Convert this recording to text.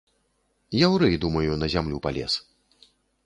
Яўрэй, думаю, на зямлю палез!